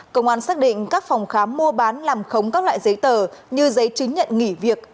công an xác định các phòng khám mua bán làm khống các loại giấy tờ như giấy chứng nhận nghỉ việc